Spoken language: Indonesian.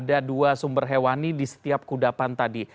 ada dua sumber hewani di setiap kudapan tadi